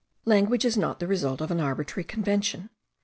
Language is not the result of an arbitrary convention.